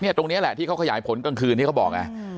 ตรงนี้แหละที่เขาขยายผลกลางคืนที่เขาบอกไง